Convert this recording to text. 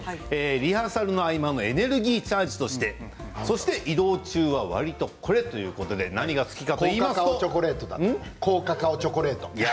リハーサルの合間のエネルギーチャージとしてそして移動中はわりとこれということで高カカオチョコレートだ。